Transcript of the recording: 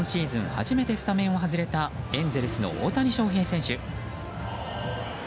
初めてスタメンを外れたエンゼルスの大谷翔平選手。